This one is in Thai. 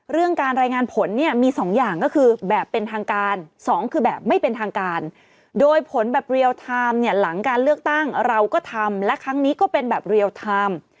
การรายงานผลเนี่ยมีสองอย่างก็คือแบบเป็นทางการสองคือแบบไม่เป็นทางการโดยผลแบบเรียลไทม์เนี่ยหลังการเลือกตั้งเราก็ทำและครั้งนี้ก็เป็นแบบเรียลไทม์